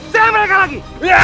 sial mereka lagi